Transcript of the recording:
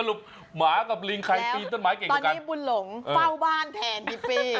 สรุปหมากับลิงใครปีนต้นไม้เก่งกว่ากันแล้วตอนนี้บุญหลงเฝ้าบ้านแผนฮิปปี้